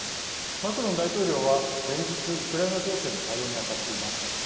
マクロン大統領は連日、ウクライナ情勢の対応に当たっています。